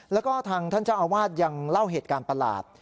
แล้วก็ทางท่านเจ้าอาวาสยังเล่าเหตุการณ์ประหลาด